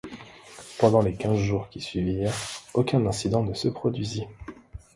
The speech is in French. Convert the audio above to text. Pendant les quinze jours qui suivirent, aucun incident ne se produisit.